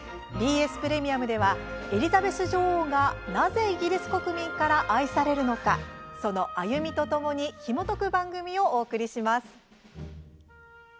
ＢＳプレミアムではエリザベス女王がなぜ、イギリス国民から愛されるのか、その歩みとともにひもとく番組をお送りします。